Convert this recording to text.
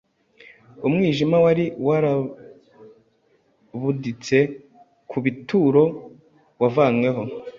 Umwijima wari warabuditse ku bituro wavanyweho.